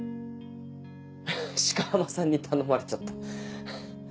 鹿浜さんに頼まれちゃった。